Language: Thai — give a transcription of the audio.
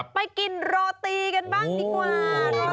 ไปกินโรตีกันบ้างดีกว่า